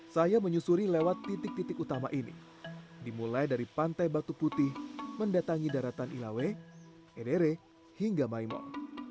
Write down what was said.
saya menyusuri lewat titik titik utama ini dimulai dari pantai batu putih mendatangi daratan ilawe edere hingga maimong